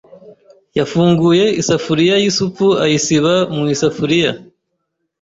yafunguye isafuriya yisupu ayisiba mu isafuriya.